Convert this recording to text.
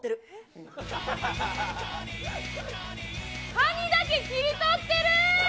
カニだけ切り取ってる。